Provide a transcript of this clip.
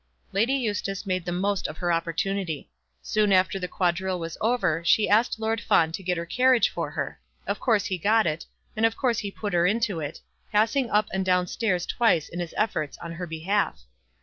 Lady Eustace made the most of her opportunity. Soon after the quadrille was over she asked Lord Fawn to get her carriage for her. Of course he got it, and of course he put her into it, passing up and down stairs twice in his efforts on her behalf.